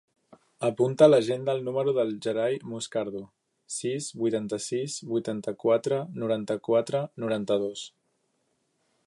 Apunta a l'agenda el número del Gerai Moscardo: sis, vuitanta-sis, vuitanta-quatre, noranta-quatre, noranta-dos.